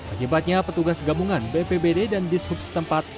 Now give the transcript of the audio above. akibatnya petugas gabungan bpbd dan dishub setempat